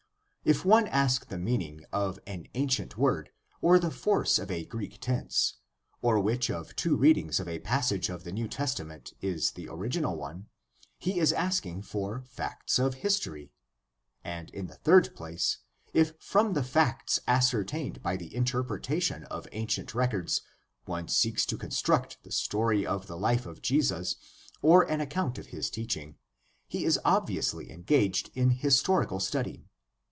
If one ask the meaning of an ancient word, or the force of a Greek tense, or which of two readings of a passage of the New Testament is the original one, he is asking for facts of history. And, in the third place, if from the facts ascertained by the interpretation of ancient records one seeks to construct the story of the life of Jesus, or an account of his teaching, he is obviously engaged in historical study.